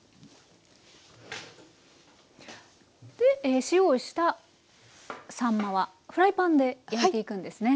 で塩をしたさんまはフライパンで焼いていくんですね。